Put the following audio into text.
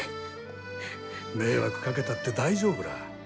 迷惑かけたって大丈夫ら。